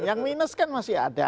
yang minus kan masih ada